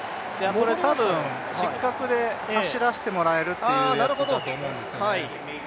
これ多分、失格で走らせてもらえるというやつだと思うんですね。